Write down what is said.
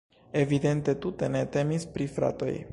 Evidente tute ne temis pri fratoj.